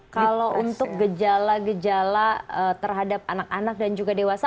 kalau untuk gejala gejala terhadap anak anak dan juga dewasa apa yang harus kita lakukan